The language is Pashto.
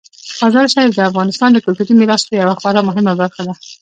مزارشریف د افغانستان د کلتوري میراث یوه خورا مهمه برخه ده.